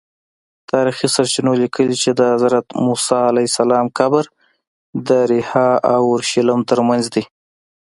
تاریخي سرچینو لیکلي چې د حضرت موسی قبر د ریحا او اورشلیم ترمنځ دی.